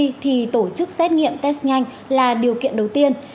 để làm tốt công tác phân loại cách ly thì tổ chức xét nghiệm test nhanh là điều kiện đầu tiên